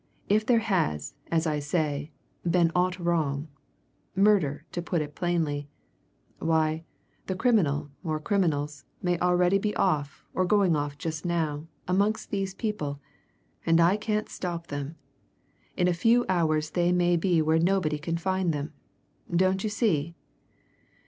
If there has, as I say, been aught wrong murder, to put it plainly why, the criminal or criminals may already be off or going off now, amongst these people, and I can't stop them. In a few hours they may be where nobody can find them don't you see?"